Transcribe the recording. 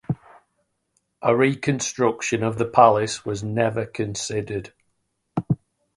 A reconstruction of the palace was never considered.